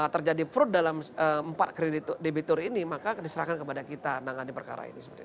terjadi fruit dalam empat kredit debitur ini maka diserahkan kepada kita menangani perkara ini